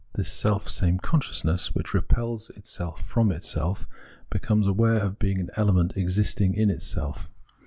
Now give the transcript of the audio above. The self same consciousness which repels itself from itself, becomes aware of being an element existing in itself.